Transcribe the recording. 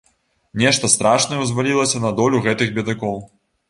Нешта страшнае ўзвалілася на долю гэтых бедакоў.